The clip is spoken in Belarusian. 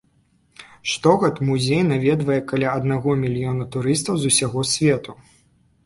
Штогод музей наведвае каля аднаго мільёна турыстаў з усяго свету.